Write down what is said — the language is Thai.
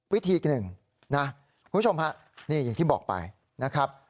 วิธีหนึ่งนะคุณผู้ชมฮะนี่อย่างที่บอกไปนะครับ